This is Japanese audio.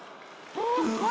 うわ！